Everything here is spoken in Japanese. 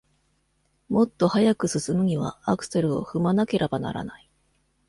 もっと速く進むにはアクセルを踏まなけらばならない。